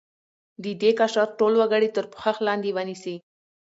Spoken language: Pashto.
د دې قشر ټول وګړي تر پوښښ لاندې ونیسي.